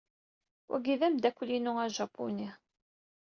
Wagi d-amdakkel-inu ajapuni.